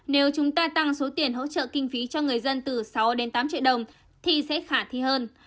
nếu chúng ta tăng số tiền hỗ trợ kinh phí cho người dân từ sáu đến tám triệu đồng thì sẽ khả thi hơn